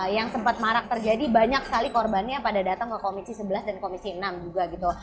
yang sempat marak terjadi banyak sekali korbannya pada datang ke komisi sebelas dan komisi enam juga gitu